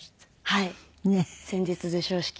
はい。